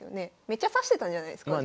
めっちゃ指してたんじゃないですか？